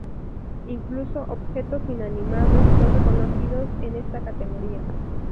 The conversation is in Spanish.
Incluso, objetos inanimados son reconocidos en esta categoría.